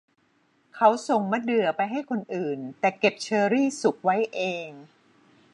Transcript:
เขาส่งมะเดื่อไปให้คนอื่นแต่เก็บเชอรี่สุกไว้เอง